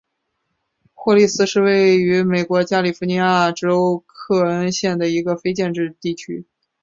霍利斯是位于美国加利福尼亚州克恩县的一个非建制地区。